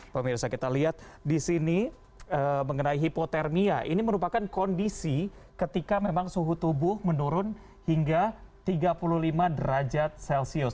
pemirsa kita lihat di sini mengenai hipotermia ini merupakan kondisi ketika memang suhu tubuh menurun hingga tiga puluh lima derajat celcius